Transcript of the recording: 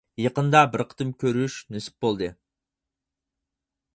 يېقىندا بىر قېتىم كۆرۈش نېسىپ بولدى.